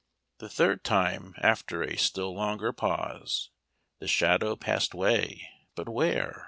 "The third time, after a still longer pause, The shadow pass'd away but where?